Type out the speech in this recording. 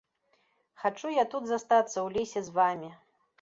Хачу я тут застацца ў лесе з вамі.